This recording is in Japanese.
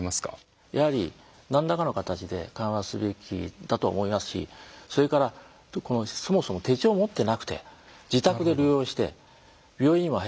やはり何らかの形で緩和すべきだと思いますしそれからそもそも手帳を持ってなくて自宅で療養して病院にも入ってない。